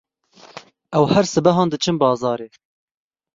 Ew her sibehan diçin bazarê.